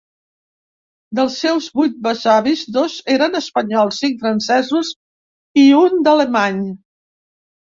Dels seus vuit besavis, dos eren espanyols, cinc francesos i un d'alemany.